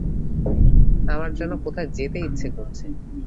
আমার যেন কোথায় যেতে ইচ্ছে করছে।